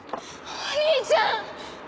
お兄ちゃん！